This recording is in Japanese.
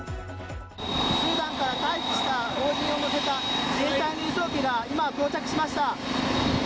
スーダンから退避した邦人を乗せた自衛隊の輸送機が今、到着しました。